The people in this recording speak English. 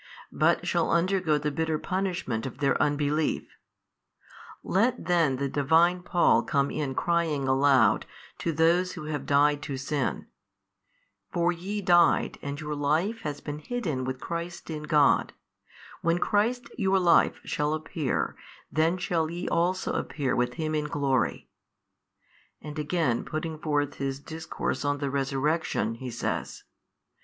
but shall undergo the bitter punishme'nt of their unbelief. Let then the Divine Paul come in crying aloud to those who have died to sin, For ye died and your life has been hidden with Christ in God: when Christ, your Life, shall appear, then shall YE also appear with Him in glory: and again putting forth his discourse on the resurrection, he says.